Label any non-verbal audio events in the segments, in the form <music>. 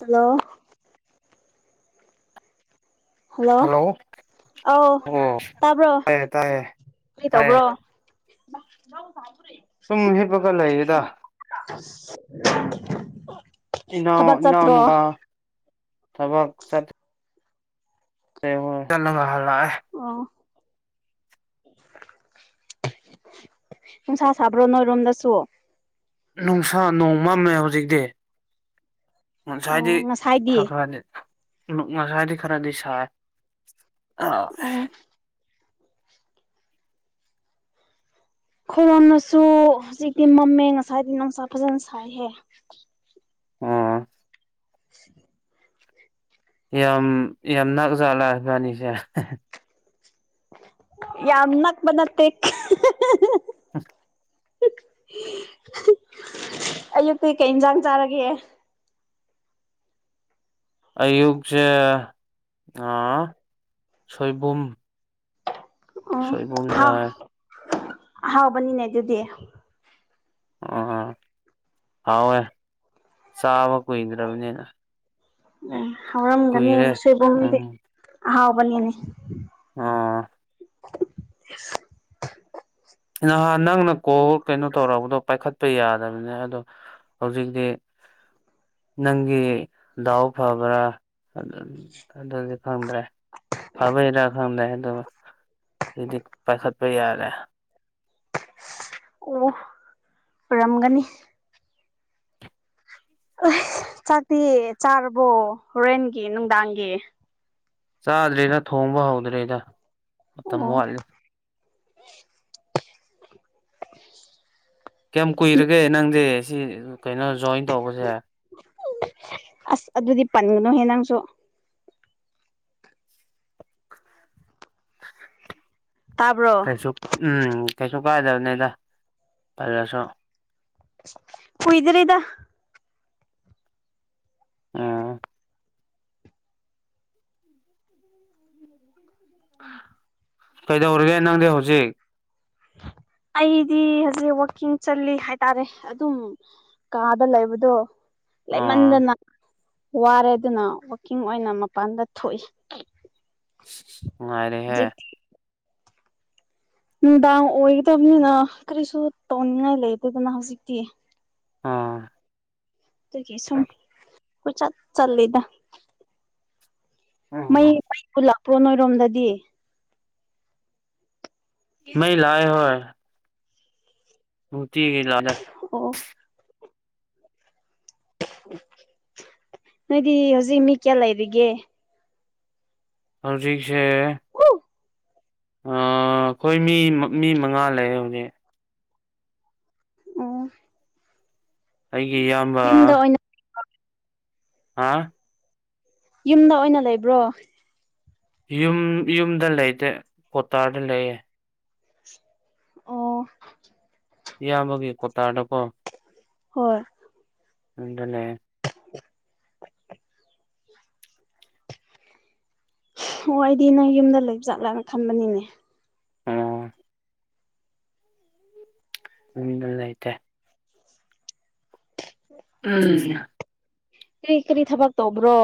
hello hello ꯑꯧ ꯑꯣ ꯇꯥꯏꯌꯦ ꯇꯥꯏꯌꯦ ꯀꯩ ꯇꯥꯏꯌꯦ ꯇꯧꯕ꯭ꯔꯣ ꯁꯨꯝ ꯍꯤꯞꯄꯒ ꯂꯩꯌꯦꯗ <inaudible> ꯏꯅꯥ ꯊꯕꯛ ꯆꯠꯇ꯭ꯔꯣ ꯏꯅꯥꯎꯅꯨꯄꯥ ꯊꯕꯛ ꯁꯠ <unintelligible> ꯑꯣ ꯅꯨꯡꯁꯥ ꯁꯥꯕ꯭ꯔꯣ ꯅꯣꯏꯔꯣꯝꯗꯁꯨ <unintelligible> ꯅꯨꯡꯁꯥ ꯅꯣꯡ ꯃꯝꯃꯦ ꯍꯧꯖꯤꯛꯇꯤ ꯑꯣ ꯉꯁꯥꯏꯗꯤ ꯉꯁꯥꯏꯗꯤ ꯈꯔ ꯈꯔꯗꯤ ꯉꯁꯥꯏꯗꯤ ꯈꯔꯗꯤ ꯁꯥꯏ <inaudible> ꯑꯣ ꯈꯣꯏꯔꯣꯝꯗꯁꯨ ꯍꯧꯖꯤꯛꯇꯤ ꯃꯝꯃꯦ ꯉꯁꯥꯏꯗꯤ ꯅꯨꯡꯁꯥ ꯐꯖꯅ ꯁꯥꯏꯍꯦ <inaudible> ꯌꯥꯝ ꯌꯥꯝ ꯅꯥꯛꯖꯥꯠꯂ ꯏꯕꯥꯅꯤꯁꯦ ꯌꯥꯝ ꯅꯛꯄ ꯅꯠꯇꯦ <inaudible> ꯑꯌꯨꯛꯇꯤ ꯀꯩ ꯌꯦꯟꯖꯥꯡ ꯆꯥꯔꯒꯦ ꯑꯌꯨꯛꯁꯦ ꯑ ꯁꯣꯏꯕꯨꯝ ꯁꯣꯏꯕꯨꯝ ꯑꯣ ꯆꯥꯏ ꯍ ꯍꯥꯎꯕꯅꯤꯅꯦ ꯑꯗꯨꯗꯤ ꯑ ꯍꯥꯎꯋꯦ ꯆꯥꯕ ꯀꯨꯏ ꯗ꯭ꯔꯕꯅꯤꯅ ꯑꯦ ꯍꯥꯎꯔꯝꯒꯅꯤ ꯁꯣꯏꯕꯨꯝꯗꯤ ꯑꯍꯥꯎꯕꯅꯤꯅꯦ ꯑꯥ <inaudible> ꯅꯍꯥꯟ ꯅꯪꯅ ꯀꯣꯜ ꯀꯩꯅꯣ ꯇꯧꯔꯛꯔꯕꯗꯣ ꯄꯥꯏꯈꯠꯄ ꯌꯥꯗꯕꯅꯦ ꯑꯗꯣ ꯍꯧꯖꯤꯛꯇꯤ ꯅꯪꯒꯤ ꯗꯥꯎ ꯐꯕ꯭ꯔꯥ ꯑꯗꯨ ꯑꯗꯨꯗꯤ ꯐꯪꯗ꯭ꯔꯦ ꯐꯥꯕꯩꯔꯥ ꯈꯪꯗꯦ ꯑꯗꯨ ꯑꯗꯨꯗꯤ ꯄꯥꯏꯈꯠꯄ ꯌꯥꯔꯦ ꯑꯣ ꯔꯝꯒꯅꯤ ꯑꯁ ꯆꯥꯛꯇꯤ ꯆꯥꯔꯕꯣ ꯍꯣꯔꯦꯟꯒꯤ ꯅꯨꯡꯗꯥꯡꯒꯤ ꯆꯥꯗ꯭ꯔꯦꯗ ꯊꯣꯡꯕ ꯍꯧꯗ꯭ꯔꯦꯗ ꯃꯇꯝ ꯑꯣ ꯋꯥꯠꯂꯤ ꯀꯌꯥꯝ ꯀꯨꯏꯔꯒꯦ ꯅꯪꯗꯤ ꯁꯤ ꯀꯩꯅꯣ ꯖꯣꯏꯟ ꯇꯧꯕꯁꯦ ꯑꯁ ꯑꯗꯨꯗꯤ ꯄꯟꯒꯅꯨꯍꯦ ꯅꯪꯁꯨ ꯇꯥꯕ꯭ꯔꯣ ꯀꯩꯁꯨ ꯎꯝ ꯀꯩꯁꯨ ꯀꯥꯏꯗꯕꯅꯤꯗ ꯄꯜꯂꯁꯨ ꯀꯨꯏꯗꯔꯤꯗ ꯑꯥ ꯀꯩꯗꯧꯔꯒꯦ ꯅꯪꯗꯤ ꯍꯧꯖꯤꯛ <inaudible> ꯑꯩꯗꯤ ꯍꯧꯖꯤꯛ ꯋꯥꯛꯀꯤꯡ ꯆꯜꯂꯤ ꯍꯥꯏꯇꯥꯔꯦ ꯑꯗꯨꯝ ꯀꯥꯗ ꯂꯩꯕꯗꯣ ꯂꯩ ꯑꯥ ꯃꯟꯗꯅ ꯋꯥꯔꯦ ꯑꯗꯨꯅ ꯋꯀꯤꯡ ꯑꯣꯏꯅ ꯃꯄꯥꯟꯗ ꯊꯣꯛꯏ ꯉꯥꯏꯔꯦ ꯍꯥꯏ ꯍꯧꯖꯤꯛꯇꯤ ꯅꯨꯡꯗꯥꯡ ꯑꯣꯏꯒꯗꯕꯅꯤꯅ ꯀꯔꯤꯁꯨ ꯇꯧꯅꯤꯡꯉꯥꯏ ꯂꯩꯇꯦꯗꯅ ꯍꯧꯖꯤꯛꯇꯤ ꯑꯥ ꯀꯁꯨꯝ ꯄꯨ ꯆ ꯆꯠ ꯂꯤꯗ ꯃꯩ ꯃꯩ ꯄꯨꯜꯂꯛꯄ꯭ꯔꯣ ꯅꯣꯏꯔꯣꯝꯗꯗꯤ ꯃꯣꯏ ꯂꯑ ꯍꯣꯏ ꯎꯇꯤꯒ ꯂꯥꯗꯦ ꯑꯣ ꯅꯣꯏꯗꯤ ꯍꯧꯖꯤꯛ ꯃꯤ ꯀꯌꯥ ꯂꯩꯔꯤꯒꯦ ꯍꯜ ꯊꯛꯁꯦ ꯑꯣ ꯑ ꯑꯩꯈꯣꯏ ꯃꯤ ꯃꯤ ꯃꯉꯥ ꯂꯩ ꯍꯧꯖꯤꯛ ꯑꯣ ꯑꯩꯒꯤ ꯏꯌꯥꯝꯕ <unintelligible> ꯍꯥꯥ ꯌꯨꯝꯗ ꯑꯣꯏꯅ ꯂꯩꯕ꯭ꯔꯣ ꯌꯨꯝ ꯌꯨꯝꯗ ꯂꯩꯇꯦ ꯀꯣꯇꯥꯔꯗ ꯂꯩꯑꯦ ꯑꯣ ꯏꯌꯥꯝꯕꯒꯤ ꯀꯣꯇꯥꯗꯀꯣ ꯍꯣꯏ ꯎꯗ ꯂꯩ ꯑꯣ ꯑꯩꯗꯤ ꯅꯪ ꯌꯨꯝꯗ ꯂꯩꯕ ꯆꯠꯂꯥꯅ ꯈꯟꯕꯅꯤꯅꯦ ꯑ ꯃꯃꯤꯒ ꯂꯩꯥꯏꯇꯦ ꯑꯅ ꯀꯔꯤ ꯀꯔꯤ ꯊꯕꯛ ꯇꯧꯕ꯭ꯔꯣ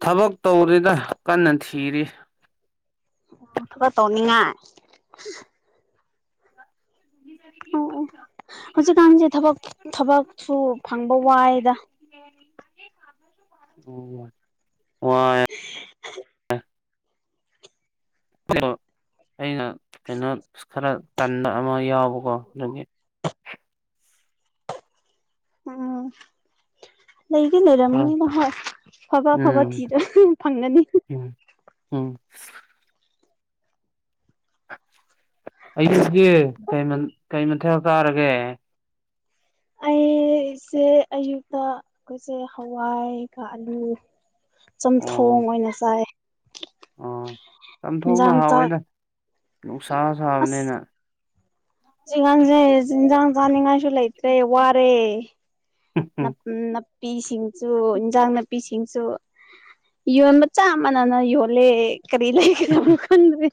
ꯊꯕꯛ ꯇꯧꯔꯤꯗ ꯀꯟꯅ ꯊꯤꯔꯤ ꯑ ꯊ ꯇꯅꯤꯡꯉꯥꯏ ꯑꯣ ꯑꯣ ꯍꯧꯖꯤꯛꯀꯥꯟꯁꯦ ꯊꯕꯛ ꯊꯕꯛꯁꯨ ꯐꯪꯕ ꯋꯥꯏꯗ ꯑꯣ ꯋꯥ ꯑ ꯑꯩꯅ ꯀꯩꯅꯣ ꯈꯔ ꯇꯟꯕ ꯑꯃ ꯌꯥꯎꯕꯀꯣ ꯑꯗꯨꯒꯤ ꯎꯝ ꯂꯩꯒꯦ ꯈꯔ ꯂꯩꯔꯝꯅꯤꯅ ꯑꯕ ꯑꯐꯕ ꯎꯝ ꯊꯤꯗꯁꯨ ꯑꯗꯨ ꯐꯪꯒꯅꯤ ꯑꯣ ꯑꯌꯨꯗꯤ ꯀꯩ ꯃꯊꯦꯜ ꯇꯥꯔꯒꯦ ꯑꯩꯁꯦ ꯑꯌꯨꯛꯇ ꯑꯩꯈꯣꯏꯁꯦ ꯍꯋꯥꯏ ꯑꯥꯂꯨ ꯆꯝꯊꯣꯡ ꯑꯣꯏꯅ ꯆꯥꯏ ꯑ ꯆꯥꯝꯊꯣꯛꯅ ꯏꯟꯖꯥꯡ ꯆꯥꯛ ꯍꯥꯎꯑꯣꯏꯅ ꯎꯁꯥ ꯁꯥꯕꯅꯦꯅ ꯆꯒꯥꯡꯁꯦ ꯆꯤꯟꯖꯥꯡ ꯆꯥꯅꯤꯡꯉꯥꯏꯁꯨ ꯂꯩꯇ꯭ꯔꯦ ꯋꯥꯔꯦ ꯄꯤ ꯁꯤꯡꯁꯨ ꯏꯟꯖꯥꯡ ꯅꯥꯄꯤꯁꯤꯡꯁꯨ ꯌꯣꯟ ꯃꯆꯥ ꯑꯃꯅꯅ ꯌꯣꯜꯂꯦ ꯀꯔꯤ ꯂꯩꯒꯗꯅ ꯈꯟꯗꯦ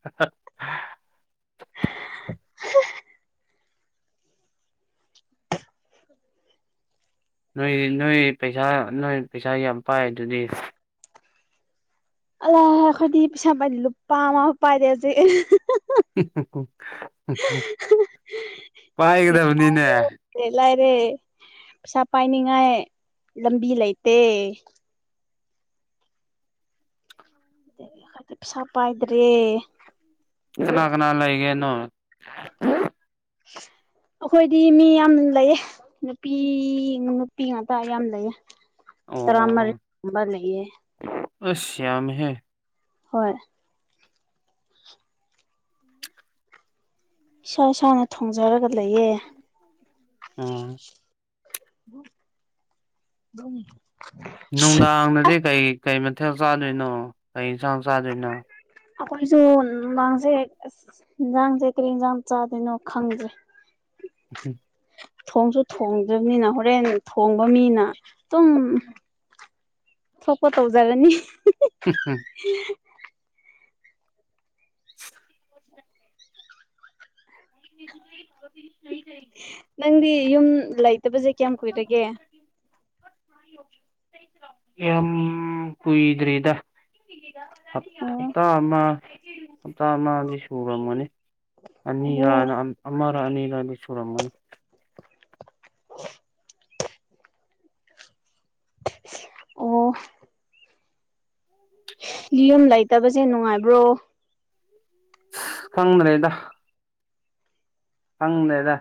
<unintelligible> ꯅꯣꯏ ꯅꯣꯏ ꯄꯩꯁꯥ ꯅꯣꯏ ꯄꯩꯁꯥ ꯌꯥꯝ ꯄꯥꯏ ꯑꯗꯨꯗꯤ ꯑ ꯈꯔꯗꯤ ꯄꯩꯁꯥ ꯄꯥꯏꯅꯤ ꯂꯨꯄꯥ ꯑꯃ ꯄꯥꯏꯔꯦ ꯍꯧꯖꯤꯛ ꯌꯥꯝ ꯄꯥꯏꯒꯗꯕꯅꯤꯅꯦ ꯂꯥꯏꯔꯦ ꯄꯩꯁꯥ ꯄꯥꯏꯅꯤꯡꯉꯥꯏ ꯂꯝꯕꯤ ꯂꯩꯇꯦ ꯄ ꯁꯥꯄ ꯍꯥꯏꯗ꯭꯭ꯔꯦ ꯆꯅꯥ ꯀꯅꯥꯂꯒꯦꯅ <unintelligible> ꯑꯩꯈꯣꯏꯗꯤ ꯃꯤ ꯌꯥꯝ ꯂꯩꯌꯦ ꯅꯨꯄꯤ ꯅꯨꯄꯤ ꯉꯥꯛꯇ ꯌꯥꯝ ꯂꯩꯑ ꯑꯣ ꯇꯔꯥꯔꯤꯝꯕ ꯂꯩꯌꯦ ꯑꯁꯝ ꯍ ꯍꯣꯏ ꯏꯁꯥ ꯏꯁꯥꯅ ꯊꯣꯡꯖꯔꯒ ꯂꯩꯌꯦ ꯑꯝ ꯝ <inaudible> <unintelligible> ꯅꯨꯡꯗꯥꯡꯗꯗꯤ ꯀꯩ ꯀꯩ ꯃꯊꯦꯜ ꯆꯥꯗꯣꯏꯅꯣ ꯀꯩ ꯌꯦꯟꯁꯥꯡ ꯆꯥꯗꯣꯏꯅꯣ ꯑꯩꯈꯣꯏꯁꯨ ꯅꯨꯡꯥꯡꯁꯦ ꯑ ꯏꯟꯁꯥꯡꯁꯦ ꯀꯔꯤ ꯏꯟꯁꯥꯡ ꯆꯥꯗꯣꯏꯅꯣ ꯈꯪꯗꯦ ꯑꯩꯣꯏ <unintelligible> <inaudible> ꯊꯣꯡꯁꯨ ꯊꯣꯡꯗ꯭ꯔꯕꯅꯤꯅ ꯍꯣꯔꯦꯟ ꯊꯣꯡꯕ ꯃꯤꯅ ꯑꯗꯨꯨꯝ ꯊꯣꯛꯄ ꯇꯧꯖꯔꯅꯤ ꯝ <unintelligible> <inaudible> <unintelligible> <inaudible> ꯑꯩꯗꯤ ꯐ <unintelligible> <inaudible> ꯅꯪꯗꯤ ꯌꯨꯝ ꯂꯩꯇꯕꯁꯦ ꯀꯌꯥꯝ ꯀꯨꯏꯔꯒꯦ ꯌꯥꯝ ꯀꯏꯗ꯭ꯔꯦꯔꯤꯗ ꯑꯣ ꯍꯞꯇꯥ ꯑꯃ ꯍꯞꯇꯥ ꯑꯃꯗꯤ ꯁꯨꯔꯝꯃꯅꯤ ꯑꯣ ꯑꯅꯤꯔꯅ ꯑꯃꯔ ꯑꯅꯤꯔ ꯕꯤꯁꯣꯔꯃꯟ ꯑꯣ <unintelligible> <inaudible> ꯑꯣ <inaudible> ꯌꯨꯝ ꯂꯩꯇꯕꯁꯦ ꯅꯨꯡꯉꯥꯏꯕ꯭ꯔꯣ ꯈꯪ ꯃ꯭ꯔꯦꯗ ꯐꯪꯅꯦꯔ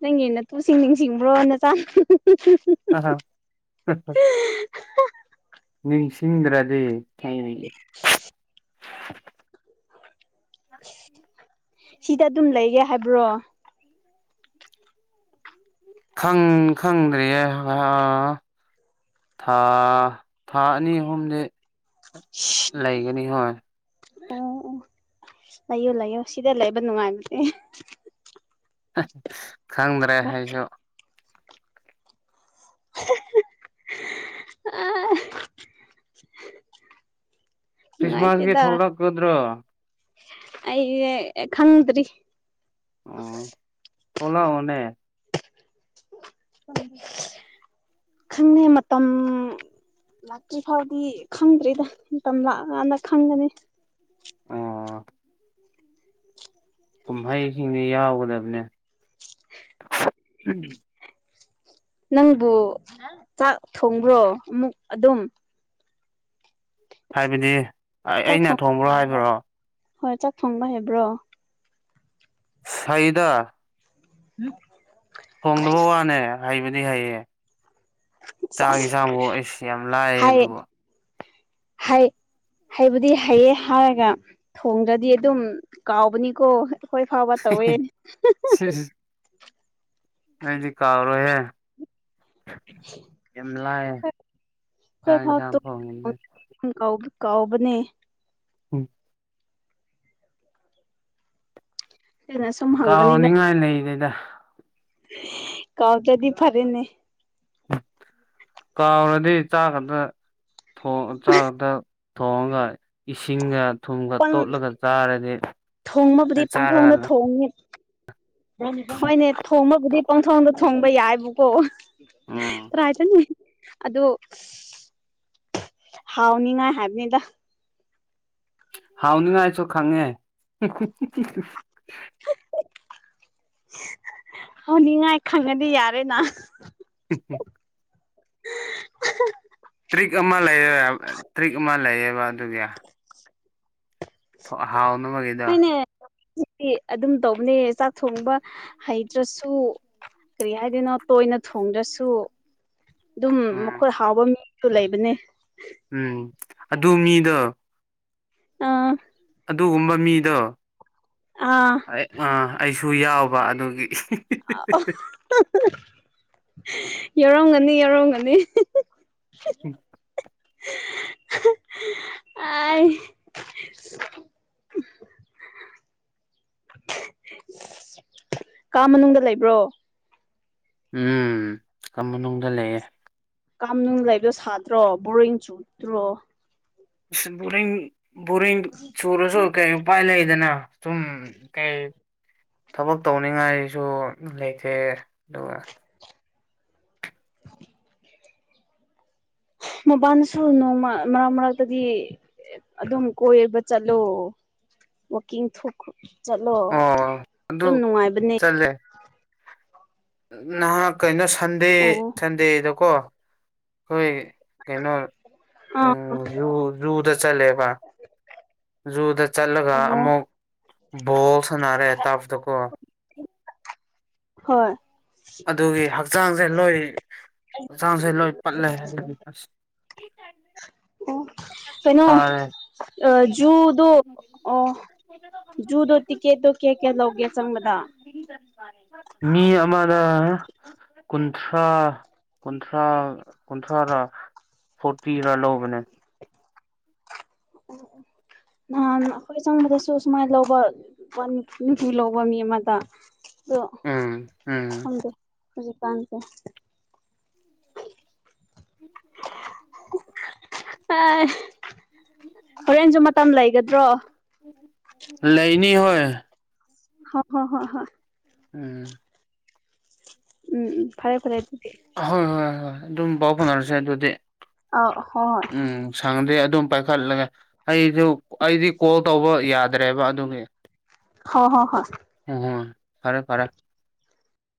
ꯅꯪꯒꯤꯅ ꯇꯨꯁꯤꯡ ꯅꯤꯡꯁꯤꯡꯕ꯭ꯔꯣ ꯅ ꯑ ꯍ <inaudible> ꯅꯤꯡꯁꯤꯡꯗ꯭ꯔꯗꯤ ꯁꯤꯗ ꯑꯗꯨꯝ ꯂꯩꯒꯦ ꯍꯥꯏꯕ꯭ꯔꯣ ꯈꯪ ꯈꯪꯗ꯭ꯔꯤꯌꯦ ꯑ ꯊꯥ ꯊꯥ ꯑꯅꯤ ꯑꯍꯨꯝꯗꯤ ꯂꯩꯒꯅꯤ ꯍꯣꯏ ꯑꯣ ꯑꯣ ꯂꯩꯌꯣ ꯂꯩꯌꯣ ꯁꯤꯗ ꯂꯩꯕ ꯅꯨꯡꯉꯥꯏꯕꯅꯦ ꯈꯪꯗ꯭ꯔꯦ ꯍꯥꯏꯁꯨ ꯑ <inaudible> <unintelligible> ꯈ꯭ꯔꯤꯁꯃꯥꯁꯀꯤ ꯊꯣꯛꯂꯛꯀꯗ꯭ꯔꯣ ꯑꯩ ꯈꯪꯗ꯭ꯔꯤ ꯑꯣ ꯊꯣꯂ ꯑꯣꯅꯦ ꯈꯪꯉꯦ ꯃꯇꯝ ꯂꯥꯛꯇ꯭ꯔꯤ ꯐꯥꯎꯗꯤ ꯈꯪꯗ꯭ꯔꯤꯗ ꯃꯇꯝ ꯂꯥꯛꯑꯀꯥꯟꯗ ꯈꯪꯒꯅꯤ ꯑꯣ ꯀꯨꯝꯍꯩꯁꯤꯡꯁ ꯌꯥꯎꯒꯗꯕꯅꯦ <unintelligible> <inaudible> ꯎꯝ ꯅꯪꯕꯨ ꯆꯥꯛ ꯊꯣꯡꯕ꯭ꯔꯣ ꯑꯃꯨꯛ ꯑꯗꯨꯝ ꯍꯥꯏꯕꯗꯤ ꯆꯥꯛ ꯑꯩꯅ ꯊꯣꯡ ꯊꯣꯡꯕ꯭ꯔꯣ ꯍꯥꯏꯕ꯭ꯔꯣ ꯍꯣꯏ ꯆꯥꯛ ꯊꯪꯕ ꯍꯥꯏꯕ꯭ꯔꯣ ꯐꯍꯤꯗꯥ ꯎꯝ ꯍꯣꯡꯅꯕ ꯋꯥꯅꯦ ꯍꯥꯏꯕꯗꯤ ꯍꯥꯏꯌꯦ ꯆꯥꯁ ꯆꯥꯛ ꯌꯦꯟꯁꯥꯡꯐꯥꯎ ꯑꯩꯁꯨ ꯌꯥꯝ ꯂꯥꯏ ꯍꯥꯏ ꯑꯗꯨꯒ ꯍꯥꯏ ꯍꯩꯕꯨꯗꯤ ꯍꯩꯌꯦ ꯍꯥꯏꯔꯒ ꯊꯣꯡꯗ꯭ꯔꯗꯤ ꯑꯗꯨꯝ ꯀꯥꯎꯕꯅꯤꯀꯣ ꯑꯩꯈꯣꯏ ꯐꯥꯎꯕ ꯇꯧꯋꯦꯅꯤ ꯑꯗꯤ ꯀꯥꯔꯍꯦ ꯍꯣꯏ ꯆꯥꯛ ꯌꯦꯟꯁꯥꯡ ꯊꯣꯡꯕꯗꯤ ꯍꯥꯎ ꯀ ꯀꯥꯎꯕꯅꯦ ꯎꯝ ꯑꯗꯨꯅ ꯁꯨꯝ ꯀꯥꯎꯅꯤꯡꯉꯥꯏ ꯂꯩꯗꯩꯗ ꯀꯥꯎ ꯀꯗꯤ ꯐꯔꯦꯅꯦ ꯀꯥꯎꯔꯗꯤ ꯆꯥꯛ ꯈꯛꯇꯣꯡ ꯆꯥꯛ ꯈꯛꯇ ꯊꯣꯡꯉꯒ ꯏꯁꯤꯡꯒ ꯊꯨꯝꯒ ꯄꯪ ꯇꯣꯠꯂꯒ ꯆꯥꯔꯗꯤ ꯊꯣꯡꯕꯕꯨꯗꯤ ꯄꯪꯊꯣꯡꯗ ꯆꯥꯔꯒ ꯊꯣꯡꯉꯤ ꯍꯣꯏꯅꯦ ꯊꯣꯡꯕꯕꯨꯗꯤ ꯄꯪꯊꯣꯡꯗ ꯊꯣꯡꯕ ꯌꯥꯏꯕꯨꯀꯣ ꯎꯝ ꯇꯑꯆ ꯃꯤ ꯑꯗꯨ ꯍꯥꯎꯅꯤꯉꯥꯏ ꯍꯥꯏꯕꯅꯤꯗ ꯍꯥꯎꯅꯤ ꯉꯥꯏ ꯆꯣ ꯈꯉꯦ ꯑꯣ ꯅꯤꯡꯉꯥꯏ ꯈꯪꯉꯗꯤ ꯌꯥꯔꯦꯗ ꯇꯔꯤꯛ ꯑꯃ ꯂꯩꯌꯦ ꯇꯔꯤꯛ ꯑꯃ ꯂꯩꯌꯦꯕ ꯑꯗꯨꯒꯤ <unintelligible> <inaudible> ꯍꯥꯎꯅꯕꯒꯤꯩꯗ ꯗꯤ ꯑꯗꯨꯝ ꯇꯧꯕꯅꯦ ꯆꯥꯛ ꯊꯣꯡꯕ ꯍꯩꯇ꯭ꯔꯁꯨ ꯀꯔꯤ ꯍꯥꯏꯗꯣꯏꯅꯣ ꯇꯣꯏꯅ ꯊꯣꯡꯗ꯭ꯔꯁꯨ ꯑꯗꯨꯝ ꯎꯝ ꯃꯈꯣꯏ ꯍꯥꯎꯕ ꯃꯤꯁꯨ ꯂꯩꯕꯅꯦ ꯎꯝ ꯑꯗꯨ ꯃꯤꯗꯣ ꯑꯥ ꯑꯗꯨꯒꯨꯝꯕ ꯃꯤꯗꯣ ꯑꯥ ꯑꯩꯁꯨ ꯌꯥꯎꯕ ꯑꯗꯨꯒꯤ <unintelligible> <inaudible> ꯌꯥꯎꯔꯝꯒꯅꯤ ꯌꯥꯎꯔꯝꯒꯅꯤ ꯎꯝ ꯑ <unintelligible> <inaudible> <unintelligible> <inaudible> ꯀꯥ ꯃꯅꯨꯡꯗ ꯂꯩꯕ꯭ꯔꯣ ꯎꯝ ꯀ ꯃꯅꯨꯡꯗ ꯂꯩꯌꯦ ꯀꯥꯝꯅꯨꯡ ꯂꯩꯕ ꯁꯥꯗ꯭ꯔꯣ ꯕꯣꯔꯤꯡ ꯆꯨꯠꯇ꯭ꯔꯣ ꯑ ꯕꯣꯔꯤꯡ ꯕꯣꯔꯤꯡ ꯁꯨꯔꯁꯨ ꯀꯩ ꯎꯄꯥꯏ ꯂꯩꯗꯅ ꯑꯗꯨꯝ ꯀꯩ ꯊꯕꯛ ꯇꯧꯅꯤꯡꯉꯥꯏꯁꯨ ꯂꯩꯇꯦ ꯑꯗꯨꯒ ꯃꯄꯅ ꯁꯨꯔꯨꯅꯨ ꯃꯔꯛ ꯃꯔꯛꯇꯒꯤ ꯑꯗꯨꯝ ꯀꯣꯏꯕ ꯆꯠꯂꯣ ꯋꯥꯋꯀꯤꯡ ꯊꯣꯛꯈ꯭ꯔꯣ ꯆꯠꯂꯣ ꯑꯣ ꯑꯗꯨ ꯑꯗꯨꯝ ꯅꯨꯡꯉꯥꯏꯕꯅꯦ ꯆꯠꯂꯦ ꯅꯍꯥꯛ ꯀꯩꯅꯣ ꯁꯟꯗꯦ ꯑꯣ ꯁꯟꯗꯦꯗꯀꯣ ꯍꯣꯏ ꯀꯩꯅꯣ ꯑꯥ ꯎꯝ ꯖꯨ ꯖꯨꯗ ꯆꯠꯂꯦꯕ ꯖꯨꯗ ꯆꯠꯂꯒ ꯑꯣ ꯑꯃꯨꯛ ꯕꯣꯜ ꯁꯥꯟꯅꯔꯦ ꯇꯥꯕꯗꯀꯣ ꯍꯣꯏ ꯑꯗꯨꯒꯤ ꯍꯛꯆꯥꯡ ꯂꯣꯏ ꯆꯥꯡꯁꯦ ꯂꯣꯏ ꯄꯠꯂꯦ ꯍꯥꯏ ꯑꯥ <unintelligible> <inaudible> ꯑ ꯖꯨꯗ ꯑꯣ ꯨꯗꯣꯇ ꯀꯦꯗꯣ ꯀꯌꯥ ꯀꯌꯥ ꯂꯣꯒꯦ ꯆꯪꯃꯗꯥ ꯃꯤ ꯑꯗ ꯀꯨꯟꯊ꯭ꯔꯥ ꯀꯨꯟꯊ꯭ꯔꯥ ꯀꯨꯟꯊ꯭ꯔꯥꯥ ꯐꯣꯔꯇꯤ ꯈ ꯂꯧꯕꯅꯦ ꯎ ꯑꯣ ꯅꯍꯥꯟ ꯑꯩꯈꯣꯏ ꯆꯪꯕꯗꯁꯨ ꯁꯨꯃꯥꯏꯅ ꯂꯧꯕ ꯅꯨꯡꯇꯤ ꯂꯧꯕ ꯃꯤ ꯑꯃꯗ ꯎꯝ ꯎꯝ ꯍꯧꯖꯤ ꯄꯥꯟꯁꯦ ꯑ ꯍꯣꯔꯦꯟꯁꯨ ꯃꯇꯝ ꯂꯩꯒꯗ꯭ꯔꯣ ꯂꯩꯅꯤ ꯍꯣꯏ ꯍ ꯍꯣ ꯍ ꯍ ꯎꯝ ꯎꯝ ꯎꯝ ꯐꯔꯦ ꯐꯔꯦ ꯍꯣꯏ ꯍꯣꯏꯣꯏ ꯍꯣꯏ ꯑꯗꯨꯝ ꯄꯥꯎ ꯐꯥꯎꯅꯔꯁꯦ ꯑꯗꯨꯗꯤ ꯑ ꯍꯣꯏ ꯍꯣꯏ ꯎꯝ ꯁꯥꯡꯗꯦ ꯑꯗꯨꯝ ꯄꯥꯏꯈꯠꯂꯒꯦ ꯑꯩꯁꯨ ꯑꯩꯗꯤ ꯀꯣꯜ ꯇꯧꯕ ꯌꯥꯗ꯭ꯔꯦꯕ ꯑꯗꯨꯒꯤ ꯍꯣ ꯍꯣ ꯍꯣ ꯎꯝ ꯐꯔꯦ ꯐꯔꯦ